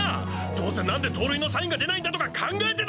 どーせ「なんで盗塁のサインが出ないんだ？」とか考えてたんだろ！